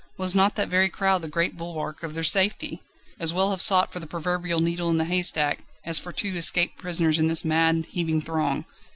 Was not that very crowd the great bulwark of their safety? As well have sought for the proverbial needle in the haystack, as for two escaped prisoners in this mad, heaving throng.